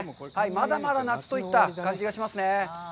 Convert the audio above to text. まだまだ夏といった感じがしますね。